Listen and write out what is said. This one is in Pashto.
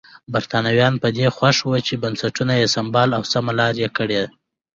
برېټانویان پر دې خوښ وو چې بنسټونه یې سمبال او سمه لار یې کړي.